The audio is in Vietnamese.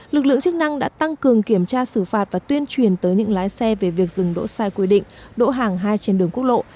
lực lượng chức năng đã tăng cường kiểm tra xử phạt và tuyên truyền tới những lái xe về việc dừng đỗ sai quy định đỗ hàng hai trên đường quốc lộ